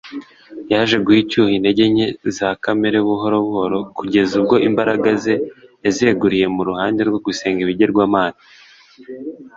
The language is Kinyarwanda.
yaje guha icyuho intege nke za kamere buhoro buhoro kugeza ubwo imbaraga ze yazeguriye mu ruhande rwo gusenga ibigirwamana